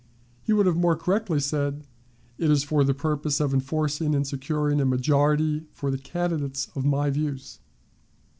He would have more correctly said, "It is for the purpose of enforcing and securing a majority for the candidates of my views."